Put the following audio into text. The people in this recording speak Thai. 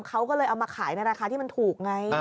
เขาก็เลยเอามาขายในราคาที่มันถูกไง